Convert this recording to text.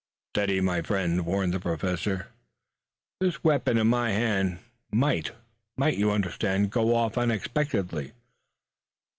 "Steady, my friend!" warned the Professor. "This weapon in my hand might might, you understand go off unexpectedly.